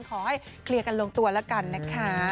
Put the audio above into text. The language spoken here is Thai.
ขอให้เคลียร์กันลงตัวแล้วกันนะคะ